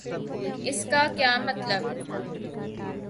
اس کا کیا مطلب؟